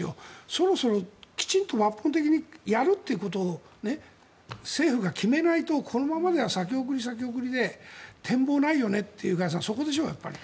そろそろきちんと抜本的にやると政府が決めないとこのままでは先送り、先送りで展望がないよねって加谷さんそこでしょ。